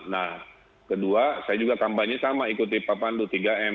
nah kedua saya juga kampanye sama ikuti papan dua puluh tiga m